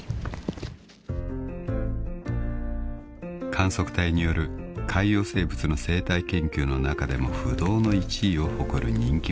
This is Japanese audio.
［観測隊による海洋生物の生態研究の中でも不動の１位を誇る人気者だ］